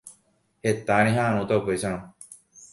Heta reha'ãrõta upéicharõ.